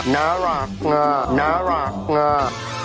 น่ารักง่าน่ารักง่า